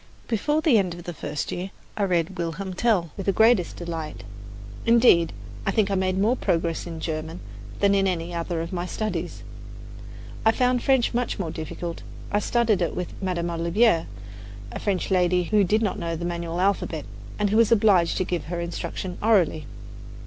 Before the end of the first year I read "Wilhelm Tell" with the greatest delight. Indeed, I think I made more progress in German than in any of my other studies. I found French much more difficult. I studied it with Madame Olivier, a French lady who did not know the manual alphabet, and who was obliged to give her instruction orally.